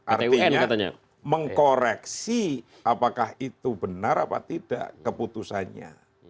artinya mengkoreksi apakah itu benar apa tidak keputusannya